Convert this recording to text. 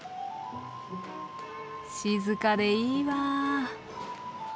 静かでいいわ。